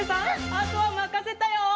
あとはまかせたよ！